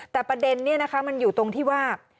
แต่ประเด็นนี้นะคะมันอยู่ตรงที่ว่า